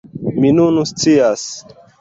Mi nun scias!